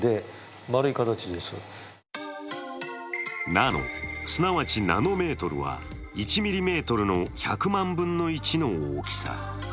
ナノ、つまりナノメートルは１ｍｍの１００万分の１の大きさ。